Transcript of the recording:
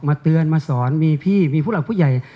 เตือนมาสอนมีพี่มีผู้หลักผู้ใหญ่